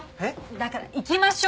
だから行きましょう。